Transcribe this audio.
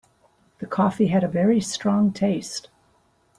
The coffee had a very strong taste.